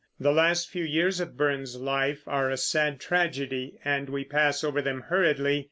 The last few years of Burns's life are a sad tragedy, and we pass over them hurriedly.